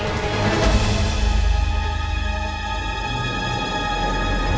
jangan tand scam